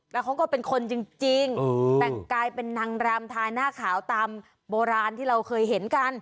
แล้วเขาก็เป็นคนจริงแต่งกายเป็นนางรำทาหน้าขาวตามโบราณที่เราเคยเห็นกัน